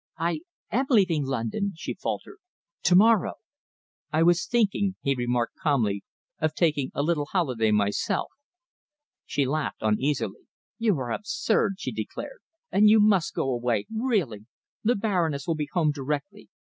"I am leaving London," she faltered, "to morrow." "I was thinking," he remarked, calmly, "of taking a little holiday myself." She laughed uneasily. "You are absurd," she declared, "and you must go away. Really! The Baroness will be home directly.